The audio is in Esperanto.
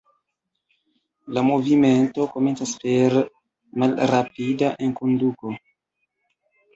La movimento komencas per malrapida enkonduko.